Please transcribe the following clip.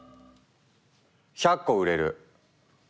１００個売れる！